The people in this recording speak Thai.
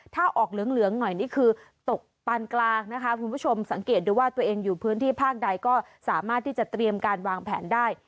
ถ้าออกเหลืองหน่อยนี่คือตกปานกลางนะคะคุณผู้ชมสังเกตดูว่าตัวเองอยู่พื้นที่ภาคใดก็สามารถที่จะเตรียมการวางแผนได้